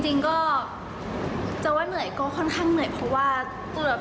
ก็จริงก็จะว่าเหนื่อยก็ค่อนข้างเหนื่อย